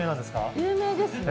有名ですよ。